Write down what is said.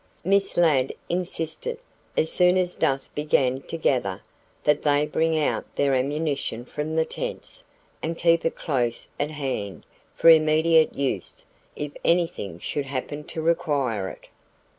Miss Ladd insisted, as soon as dusk began to gather, that they bring out their "ammunition" from the tents and keep it close at hand for immediate use if anything should happen to require it.